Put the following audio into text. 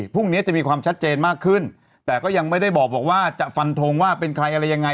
พรุ่งนี้จะมีความชัดเจนมากขึ้นแต่ก็ยังไม่ได้บอกว่าจะฟันทงว่าเป็นใครอะไรยังไง